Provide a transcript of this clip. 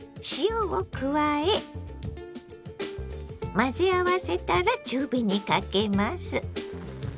混ぜ合わせたら中火にかけます。